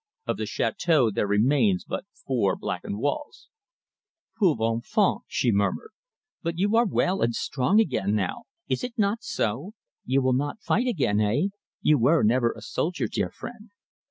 Of the Chateau there remains but four blackened walls." "Pauvre enfant!" she murmured. "But you are well and strong again now, is it not so? You will not fight again, eh? You were never a soldier, dear friend."